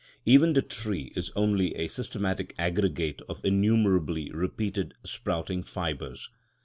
Even the tree is only a systematic aggregate of innumerably repeated sprouting fibres.